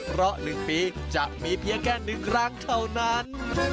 เพราะ๑ปีจะมีเพียงแค่๑ครั้งเท่านั้น